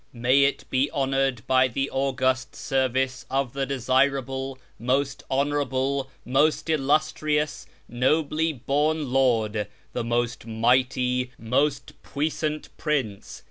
May it be honoured by the august service of the desirable, most honourable, most illustrious, nobly born lord, the most mighty, most puissant prince.